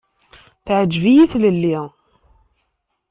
Teɛǧeb-iyi tlelli.